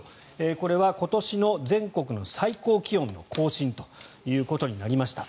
これは今年の全国の最高気温の更新ということになりました。